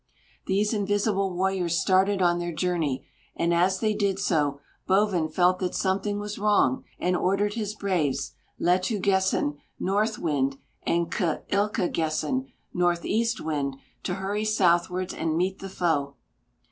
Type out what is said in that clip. These invisible warriors started on their journey, and as they did so, Bovin felt that something was wrong, and ordered his braves, "Letū gessen," North Wind, and "K lkegessen," Northeast Wind, to hurry southwards and meet the foe.